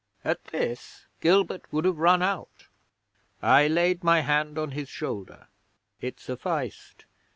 'At this Gilbert would have run out. I laid my hand on his shoulder. It sufficed.